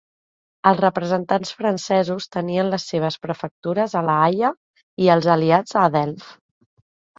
Els representants francesos tenien les seves prefectures a La Haia i els aliats a Delft.